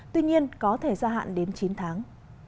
tuy nhiên có thể gia hạn đến chín tháng